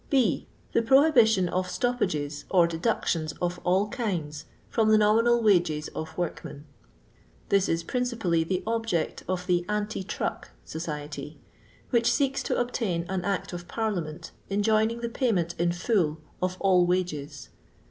B. Ths proMbiHon <if itoppaga cr deductiont of all kinds from the nominal wages of worbnen. This is principally the object of the Anti Truck Society, which seeks to obtain an Act of Parliament, enjoining the payment in fiill of all wages.